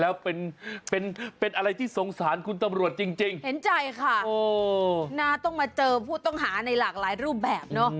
แต่ว่าคุณตำรวจเขาต้องเจอเรื่องอุ่นบายมากเลยนะ